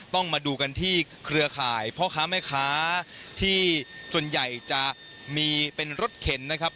ต้องมาดูกันที่เครือข่ายพ่อค้าแม่ค้าที่ส่วนใหญ่จะมีเป็นรถเข็นนะครับ